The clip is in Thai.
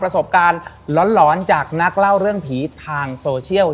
ประสบการณ์หลอนจากนักเล่าเรื่องผีทางโซเชียล